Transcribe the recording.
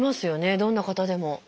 どんな方でも。